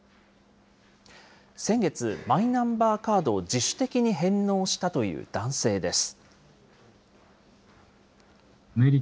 先月、マイナンバーカードを自主的に返納したという男性です。